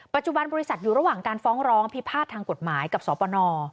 ปัจจุบันบริษัทอยู่ระหว่างการฟ้องร้องพิพาททางกฎหมายกับสปน